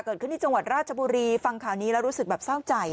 เกิดขึ้นที่จังหวัดราชบุรีฟังข่าวนี้แล้วรู้สึกแบบเศร้าใจ